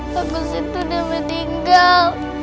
bagus itu udah mendinggal